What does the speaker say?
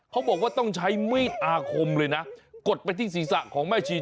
เขาบอกว่าต้องใช้มีดอาคมเลยนะกดไปที่ศีรษะของแม่ชี